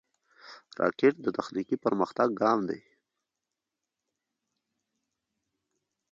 راکټ د تخنیکي پرمختګ ګام دی